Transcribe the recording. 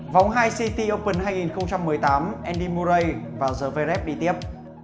vóng hai city open hai nghìn một mươi tám andy murray vào giờ vref đi tiếp